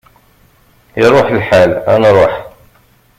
Iṛuḥ lḥal, ad nruḥ!